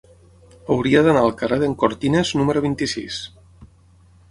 Hauria d'anar al carrer d'en Cortines número vint-i-sis.